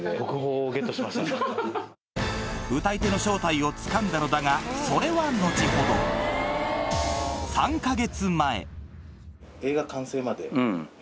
歌い手の正体をつかんだのだがそれは後ほどえっとね。